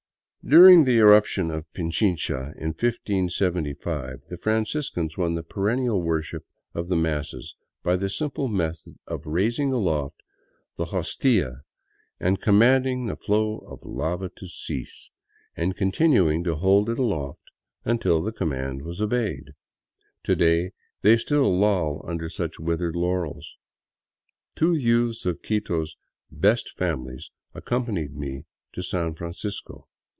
During the irruption of Pichincha in 1575, the Franciscans won the perennial worship of the masses by the simple method of raising aloft the Hostia and com manding the flow of lava to cease — and continuing to hold it aloft until the command was obeyed. To day they still loll under such withered laurels. Two youths of Quito's " best families " accompanied me to San Francisco.